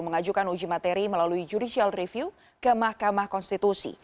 mengajukan uji materi melalui judicial review ke mahkamah konstitusi